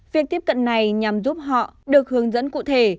việc tiếp cận này nhằm giúp họ được hướng dẫn cụ thể